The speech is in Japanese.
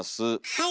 はい。